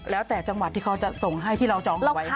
แล้วแต่จังหวัดที่เขาจะส่งให้ที่เราจองเอาไว้